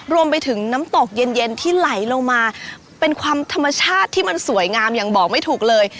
รวมไปถึงน้ำตกเย็นเย็นที่ไหลลงมาเป็นความธรรมชาติที่มันสวยงามยังบอกไม่ถูกเลย